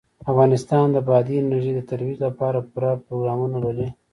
افغانستان د بادي انرژي د ترویج لپاره پوره پروګرامونه لري.